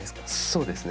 そうですね。